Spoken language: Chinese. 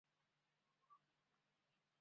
骰子也是容易制作和取得的乱数产生器。